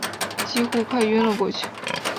几乎快晕了过去